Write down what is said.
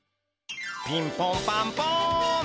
ピンポンパンポン！